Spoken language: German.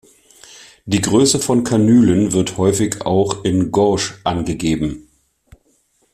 Die Größe von Kanülen wird häufig auch in Gauge angegeben.